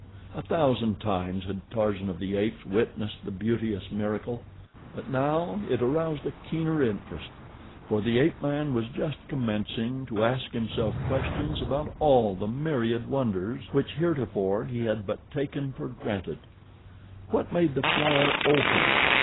A thousand times had Tarzan of the Apes witnessed the beauteous miracle; but now it aroused a keener interest, for the ape man was just commencing to ask himself questions about all the myriad wonders which heretofore he had but taken for granted. What made the flower open?